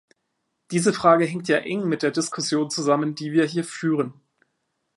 Diese Frage hängt ja eng mit der Diskussion zusammen, die wir hier führen.